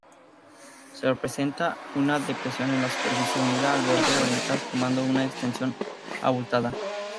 Presenta una depresión en la superficie unida al borde oriental, formando una extensión abultada.